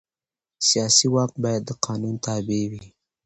سیاسي واک باید د قانون تابع وي